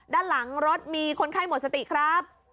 ด้านหลังรถมีคนไข้หมดสติครับ